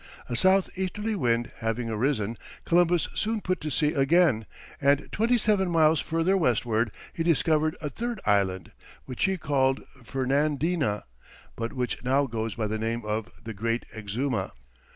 A south easterly wind having arisen, Columbus soon put to sea again, and twenty seven miles further westward, he discovered a third island, which he called Fernandina, but which now goes by the name of the Great Exuma.